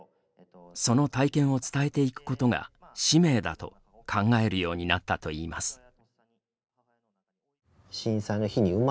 その体験を伝えていくことが使命だと考えるようになったといいます。